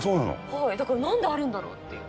だからなんであるんだろう？っていう。